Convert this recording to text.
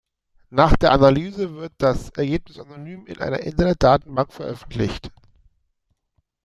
Nach der Analyse wird das Ergebnis anonym in einer Internet-Datenbank veröffentlicht.